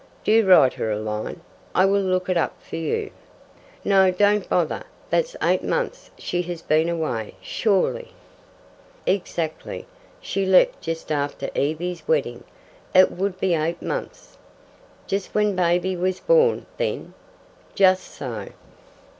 Do write her a line. I will look it up for you." "No, don't bother. That's eight months she has been away, surely?" "Exactly. She left just after Evie's wedding. It would be eight months." "Just when baby was born, then?" "Just so."